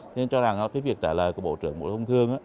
nên cho rằng cái việc trả lời của bộ trưởng bộ công thương